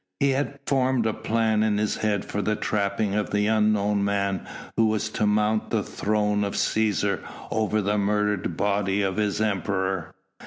He had formed a plan in his head for the trapping of the unknown man who was to mount the throne of Cæsar over the murdered body of his Emperor.